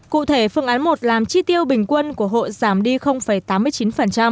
cụ thể phương án một làm chi tiêu bình quân của hộ giảm đi tám mươi chín